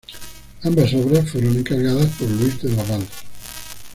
Ambas obras fueron encargadas por Louis de Laval.